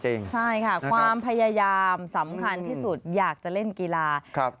ใช่ค่ะความพยายามสำคัญที่สุดอยากจะเล่นกีฬาครับ